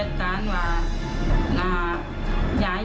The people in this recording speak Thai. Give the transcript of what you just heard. โดย